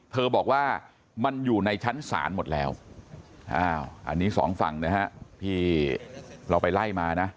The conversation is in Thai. บอกว่ามันอยู่ในชั้นศาลหมดแล้วอันนี้สองฝั่งนะฮะที่เราไปไล่มานะ